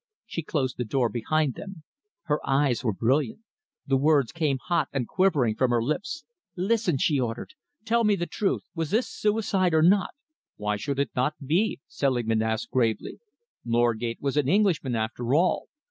She closed the door behind them. Her eyes were brilliant. The words came hot and quivering from her lips. "Listen!" she ordered. "Tell me the truth. Was this suicide or not?" "Why should it not be?" Selingman asked gravely. "Norgate was an Englishman, after all.